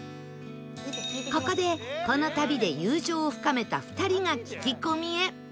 ここでこの旅で友情を深めた２人が聞き込みへ